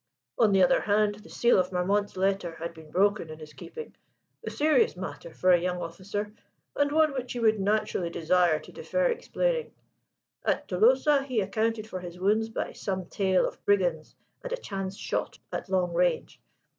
On the other hand, the seal of Marmont's letter had been broken in his keeping; a serious matter for a young officer, and one which he would naturally desire to defer explaining. At Tolosa he accounted for his wound by some tale of brigands and a chance shot at long range.